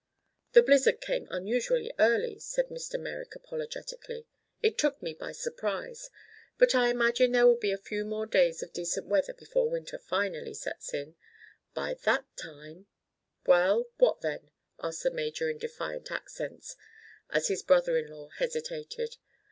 "The blizzard came unusually early," said Mr. Merrick apologetically. "It took me by surprise. But I imagine there will be a few days more of decent weather before winter finally sets in. By that time—" "Well, what then?" asked the major in defiant accents, as his brother in law hesitated.